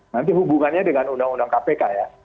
nanti hubungannya dengan undang undang kpk ya